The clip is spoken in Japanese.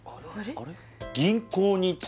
あれ？